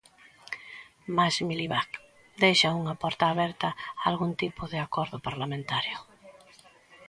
Mais Miliband deixa unha porta aberta a algún tipo de acordo parlamentario.